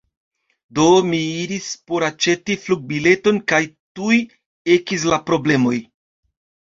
Do mi iris por aĉeti flugbileton, kaj tuj ekis la problemoj.